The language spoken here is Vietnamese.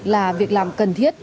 là việc làm cần thiết